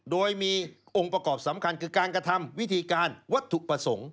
โดยมีองค์ประกอบสำคัญคือการกระทำวิธีการวัตถุประสงค์